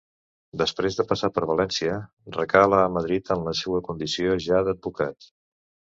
Després de passar per València, recala a Madrid en la seua condició ja d'advocat.